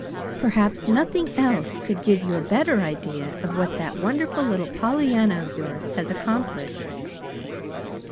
Perhaps nothing else could give you a better idea of what that wonderful little Pollyanna of yours has accomplished.